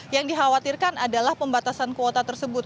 yang dikhawatirkan adalah pembatasan kuota tersebut